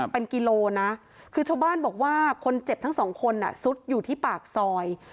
เป็นกิโลนะคือชาวบ้านบอกว่าคนเจ็บทั้งสองคนซุดอยู่ที่ปากซอย